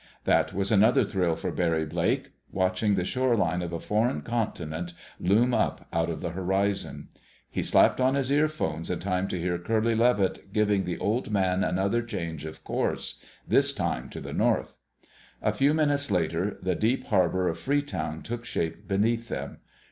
That was another thrill for Barry Blake—watching the shoreline of a foreign continent loom up out of the horizon. He slapped on his earphones in time to hear Curly Levitt giving the Old Man another change of course—this time to the north. A few minutes later the deep harbor of Freetown took shape beneath them.